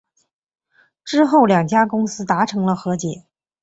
之后两家公司达成了和解。